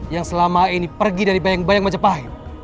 yang selama ini pergi dari bayang bayang majapahit